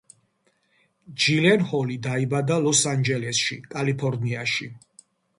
ჯილენჰოლი დაიბადა ლოს-ანჯელესში, კალიფორნიაში.